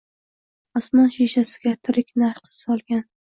Osmon shishasiga tirik naqsh solgan